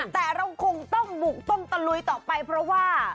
แต่เราคงต้องบุกต้องตะลุยต่อไปเพราะว่า